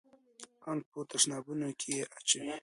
ان په تشنابونو کښې يې اچوي.